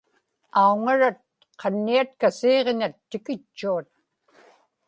auŋarat qanniatka siiġnat tikitchuat